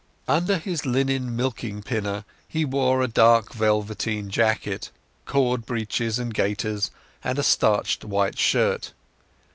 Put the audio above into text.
Under his linen milking pinner he wore a dark velveteen jacket, cord breeches and gaiters, and a starched white shirt.